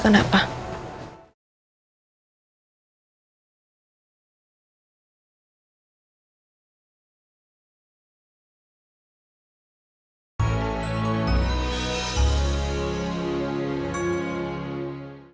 nggak ada di jakarta